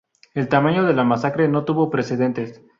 El tamaño de la masacre no tuvo precedentes.